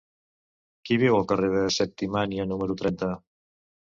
Qui viu al carrer de Septimània número trenta?